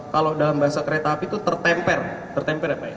kalau dalam bahasa kereta api itu tertemper tertemper apa ya